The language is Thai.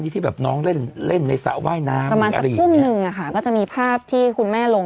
ที่แบบน้องเล่นเล่นในสระว่ายน้ำประมาณสักทุ่มนึงอะค่ะก็จะมีภาพที่คุณแม่ลง